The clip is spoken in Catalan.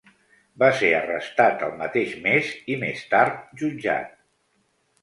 Va ser arrestat el mateix mes i, més tard, jutjat.